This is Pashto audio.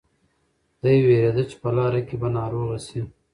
دی وېرېده چې په لاره کې به ناروغه شي.